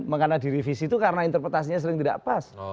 karena direvisi itu karena interpretasinya sering tidak pas